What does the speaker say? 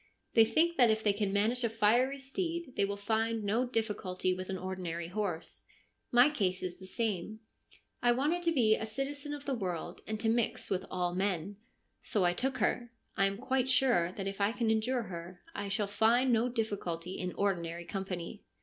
They think that if they can manage a fiery steed they will find no difficulty with an ordinary horse. My case is the same. I wanted to be a citizen of the world and to mix with all men. THE SOCRATIC CIRCLE 145 So I took her. I am quite sure that if I can endure her, I shall find no difficulty in ordinary company.'